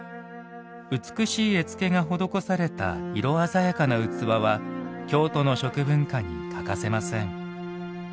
美しい絵付けが施された色鮮やかな器は京都の食文化に欠かせません。